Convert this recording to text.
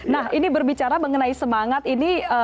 nah ini berbicara mengenai semangat ini